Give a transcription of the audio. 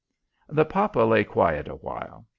The papa lay quiet a while.